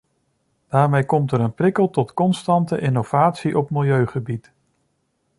Daarmee komt er een prikkel tot constante innovatie op milieugebied.